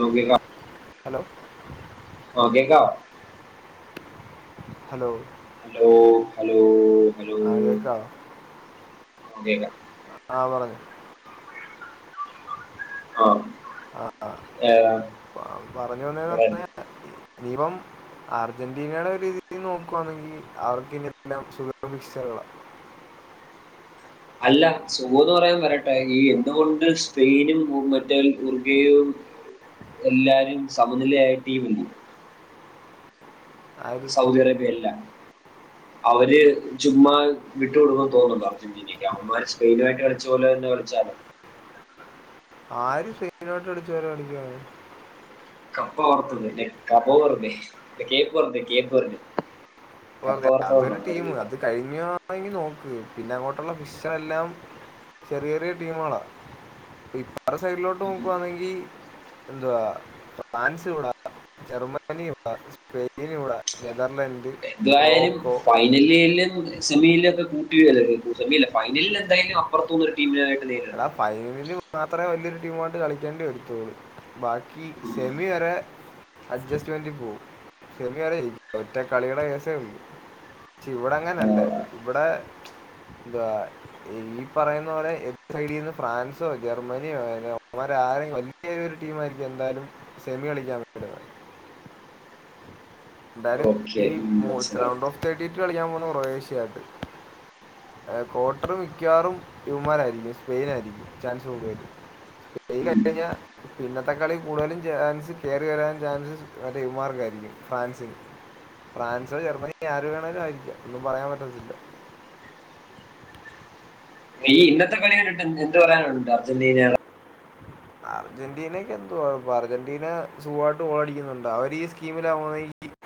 നോകിയോക്ക. Hello. ഓക്കേക്കാ hello. Hello hello hello ആ കേൾക്കാവോ കേക്ക ആഹ് പറഞ്ഞോ ആഹ് ആഹ് ഏഹ് പറഞ്ഞോന്നന്ന് എവിടായിരുന്നു പറഞ്ഞ ദീപം അർജന്റീനയുടെ ഒരു രീതിയിൽ നോക്കുവാണെങ്കിൽ അവർക്കിതെല്ലാം ശുഭ പ്രതീക്ഷകളാ. അല്ല സുഖംന്ന് പറയാൻ പറയട്ടെ ഈ എന്തുകൊണ്ട് സ്പെയിനും മറ്റ ഉർഗയും എല്ലാരും സമനിലയായ ടീമല്ലി ആര് സൗദി അറേബ്യ എല്ലാം അവര് ചുമ്മാ വിട്ടു കൊൊടുക്കന്ന് തോന്നുന്നുണ്ട? ന്മാർ സ്പെയിനുയിട്ട് കളിച്ച പോലെന്നെ കളിച്ചാ മതി ആര് സ്പെയിനു മായിട്ട് കളിച്ച പോലെ കളിക്കാൻ? [inaudible] കപ്പ ഓക്കേ അതൊരു ടീം വറുത്തതെന്നാണ് അത് കഴിഞ്ഞണെങ്കി നോക്ക് പിന്നെ അങ്ങോട്ടുള്ള ഫിഷർ എല്ലാം ചെറിയ ചെറിയ ടീമുകളാ ഇപ്പറത്തെ സൈഡിലോട്ട് അവർ നോക്കുവാണെങ്കി ഇന്ത ഫ്രാൻസിവടെ ജർമ്മനിയിവിടെ സ്പെയിനിവിടെ നെതർലൻഡ് എന്തായാലും മൊറോക്കോ ഫൈ ഫൈനലിലും സെമിലൊക്കെ [unintelligible] സെമി അല്ല ഫൈനലിൽ എന്തായാലും അപ്പുത്തുന്നൊരു ടീമിനായിട്ട് നേരി എടാ ഫൈനലിന് മാത്രമേ വലിയൊരുടീമായിട്ട് കളിക്കേണ്ടി വരത്തോളു. ബാക്കി സെമി വരെ അഡ്ജസ്റ്റ്മെന്റി പോവും സെമിയാണ് [unintelligible] ഒറ്റ കളിയുടെ കേസേ ഉള്ളു. ഇവിടങ്ങനല്ല ഇവിടെ എന്താ ഈ പറയുന്ന പോലെ സൈഡിൽന്ന് ഫ്രാൻസോ ജർമ്മനിയോ അവന്മാരാരെങ്കിലും വലിയ ഒരു ടീമായിരിക്കും എന്തായാലും സെമി കളിക്കാൻ വരുന്നത് എന്തായാലും ഓക്കെ ഈ മനസ്സിലായി റൗണ്ട് ഓഫ് തേർട്ടിയിറ്റ് കളിക്കാൻ പോകുന്നത് ക്രൊയേഷ്യ ആയിട്ട് ക്വാർട്ടറ് മിക്കവാറും ഇവന്മാരായിരിക്കും സ്പെയിനായിരിക്കും ചാൻസ് കൂടുതല്. ഉം. [inaudible] ഇന്നത്തെ കളി കൂടുതലും ചാൻസ് കേറി വരാൻ ചൻസ് മററ്റെ ഇവൻമാർക്കായിരിക്കും ഫ്രാൻസിന് ഫ്രാൻസോ ജർമ്മനിയോ ആരു വേണേലും ആയിരിക്കാം ഒന്നും പറയാൻ പറ്റത്തില്ല. ഈ ഇന്നത്തെ കളിട്ട് എന്ത് പറയാനുണ്ട്? അർജന്റീനേടെ? അർജന്റീനക്ക് എന്തുവാ ഇപ്പ അർജന്റീന സുഖായിട്ട് ഗോളടിക്കുന്നുണ്ട് അവര് ഈ സ്കീമിലാവുവാണെങ്കി